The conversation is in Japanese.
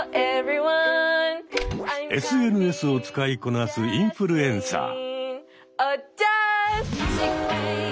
ＳＮＳを使いこなすインフルエンサー。